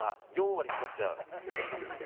４割使っちゃう。